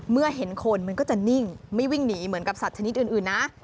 เมื่อเห็นคนมันก็จะนิ่งไม่วิ่งหนีเหมือนกับสัตว์ชนิดอื่นนะ